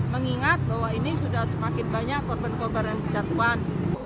mengingat bahwa ini sudah semakin banyak korban korban yang kejatuhan